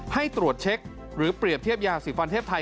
ให้ตรวจเช็คหรือเปรียบเทียบยาสีฟันเทพไทย